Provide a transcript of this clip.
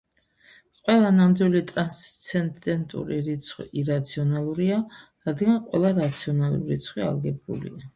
ყველა ნამდვილი ტრანსცენდენტური რიცხვი ირაციონალურია, რადგან ყველა რაციონალური რიცხვი ალგებრულია.